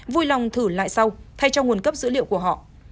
vui lòng thử lại sau thay cho nguồn cấp dữ liệu của họ